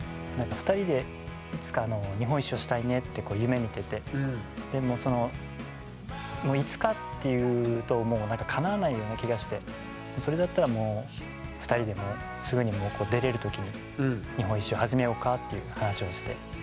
２人でいつか日本一周をしたいねって夢みててでもそのいつかって言うともうなんかかなわないような気がしてそれだったらもう２人ですぐに出れる時に日本一周始めようかっていう話をして。